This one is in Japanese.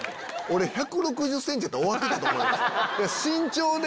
俺１６０ｃｍやったら終わってたと思います。